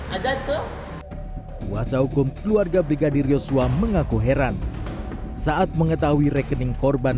ajarke kuasa hukum keluarga brigadir yosua mengaku heran saat mengetahui rekening korban